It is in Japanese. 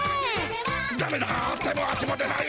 ダメだ手も足も出ない。